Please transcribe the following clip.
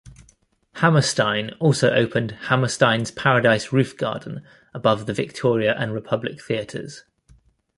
Hammerstein also opened Hammerstein's Paradise Roof Garden above the Victoria and Republic theatres.